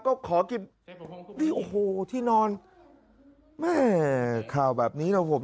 ก็ขอกินนี่โอ้โหที่นอนแม่ข่าวแบบนี้นะผม